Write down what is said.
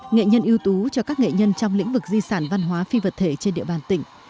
nghệ nhân ưu tú cho các nghệ nhân trong lĩnh vực di sản văn hóa phi vật thể trên địa bàn tỉnh